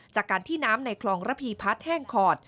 จากการที่น้ำในคลองระพีพัฒน์แห้งขอด